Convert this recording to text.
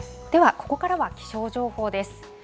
ではここからは気象情報です。